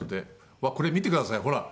うわこれ見てくださいほら。